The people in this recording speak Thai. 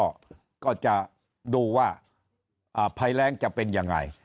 ก็จะดูว่าภัยแรงจะเป็นยังไง